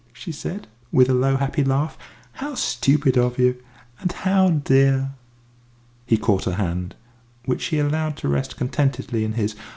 she said, with a low, happy laugh. "How stupid of you! And how dear!" He caught her hand, which she allowed to rest contentedly in his.